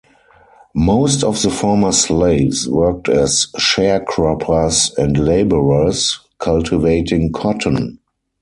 Most of the former slaves worked as sharecroppers and laborers, cultivating cotton.